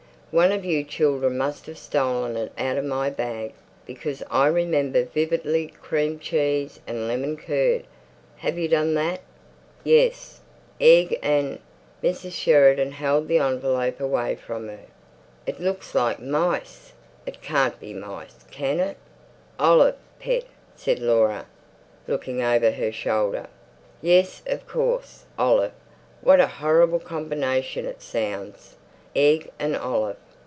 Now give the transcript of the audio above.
"One of you children must have stolen it out of my bag, because I remember vividly—cream cheese and lemon curd. Have you done that?" "Yes." "Egg and—" Mrs. Sheridan held the envelope away from her. "It looks like mice. It can't be mice, can it?" "Olive, pet," said Laura, looking over her shoulder. "Yes, of course, olive. What a horrible combination it sounds. Egg and olive."